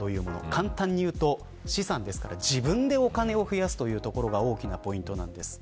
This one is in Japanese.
簡単にいうと、資産ですから自分でお金を増やすということが大きなポイントです。